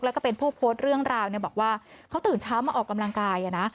แล้วก็เป็นผู้โพสต์เรื่องราวเนี่ยบอกว่าเขาตื่นเช้ามาออกกำลังกาย